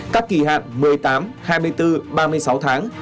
các kỳ hạn một mươi tám hai mươi bốn ba mươi sáu tháng